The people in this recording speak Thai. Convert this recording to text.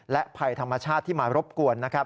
และภัยธรรมชาติที่มารบกวน